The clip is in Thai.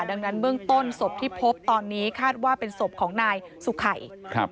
ดังนั้นเบื้องต้นศพที่พบตอนนี้คาดว่าเป็นศพของนายสุไข่ครับ